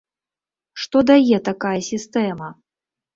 Што дае такая сістэма?